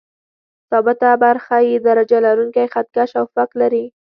ثابته برخه یې درجه لرونکی خط کش او فک لري.